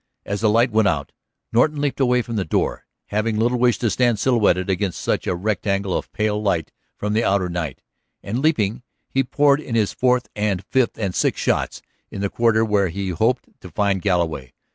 As the light went out Norton leaped away from the door, having little wish to stand silhouetted against the rectangle of pale light from the outer night; and, leaping, he poured in his fourth and fifth and sixth shots in the quarter where he hoped to find Galloway.